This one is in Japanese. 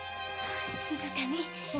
静かに。